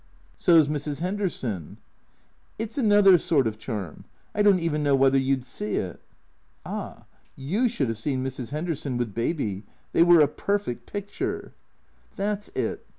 " So 's Mrs. 'Enderson." " It 's another sort of charm, I don't even know whether you 'd see it." " Ah, you should have seen Mrs. 'Enderson with Baby. They was a perfect picture." " That 's it.